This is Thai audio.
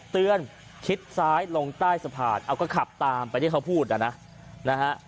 คิดซ้ายลงใต้สะพานเอาก็ขับตามไปที่เขาพูดนะนะฮะ